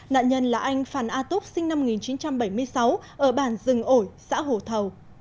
nạn nhân là anh phan a túc sinh năm một nghìn chín trăm bảy mươi sáu ở bản dừng ổi xã hồ thầu